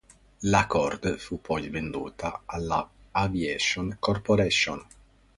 La Cord fu poi venduta alla Aviation Corporation.